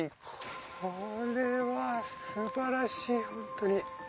これは素晴らしいホントに。